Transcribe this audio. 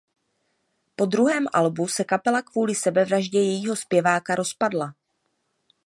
Po druhém albu se kapela kvůli sebevraždě jejího zpěváka rozpadla.